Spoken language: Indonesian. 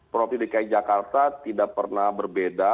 provinsi dki jakarta tidak pernah berbeda